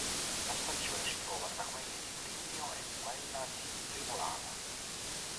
La stazione si trova tra quelle di Grigno e quella di Primolano.